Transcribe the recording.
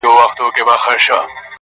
ستا دي په یاد وي چي دا ښکلی وطن٫